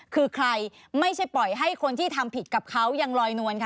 คือใครไม่ใช่ปล่อยให้คนที่ทำผิดกับเขายังลอยนวลค่ะ